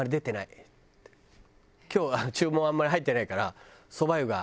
「今日注文あんまり入ってないからそば湯が」。